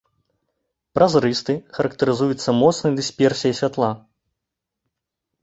Празрысты, характарызуецца моцнай дысперсіяй святла.